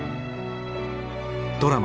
ドラマ